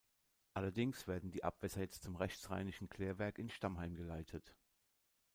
Allerdings werden die Abwässer jetzt zum rechtsrheinischen Klärwerk in Stammheim geleitet.